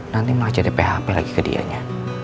nanti mau jadi php lagi ke dianya